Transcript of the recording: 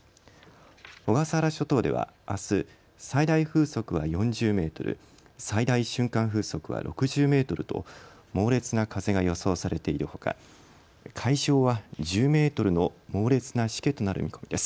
小笠原諸島ではあす、最大風速は４０メートル、最大瞬間風速は６０メートルと猛烈な風が予想されているほか海上は１０メートルの猛烈なしけとなる見込みです。